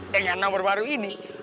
dengan nomor baru ini